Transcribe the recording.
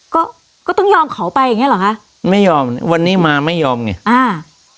ก็ก็ต้องยอมเขาไปอย่างเงี้เหรอคะไม่ยอมวันนี้มาไม่ยอมไงอ่า